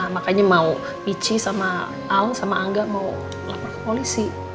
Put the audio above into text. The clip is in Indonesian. makanya mau pici sama al sama angga mau lapor ke polisi